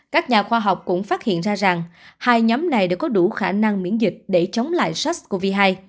các nhà khoa học cũng phát hiện ra rằng hai nhóm này đã có đủ khả năng miễn dịch để chống lại sars cov hai